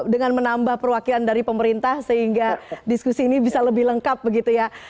dengan menambah perwakilan dari pemerintah sehingga diskusi ini bisa lebih lengkap begitu ya